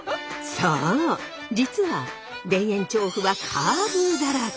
そう実は田園調布はカーブだらけ。